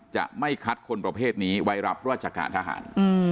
จะไม่คัดคนประเภทนี้ไว้รับราชการทหาร